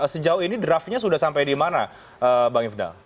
sejauh ini draftnya sudah sampai di mana bang ifdal